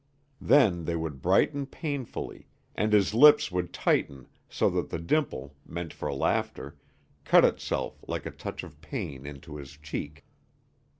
Then they would brighten painfully, and his lips would tighten so that the dimple, meant for laughter, cut itself like a touch of pain into his cheek.